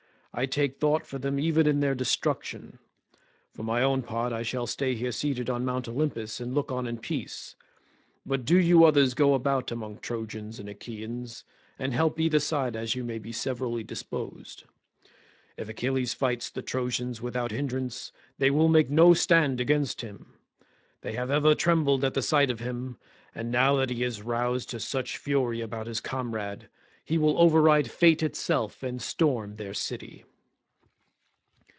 I take thought for them even in their destruction. For my own part I shall stay here seated on Mt. Olympus and look on in peace, but do you others go about among Trojans and Achaeans, and help either side as you may be severally disposed. If Achilles fights the Trojans without hindrance they will make no stand against him; they have ever trembled at the sight of him, and now that he is roused to such fury about his comrade, he will override fate itself and storm their city."